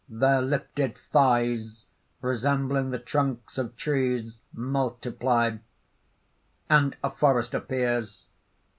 ] (Their lifted thighs, resembling the trunks of trees, multiply. _And a forest appears.